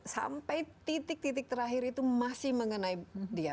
sampai titik titik terakhir itu masih mengenai dia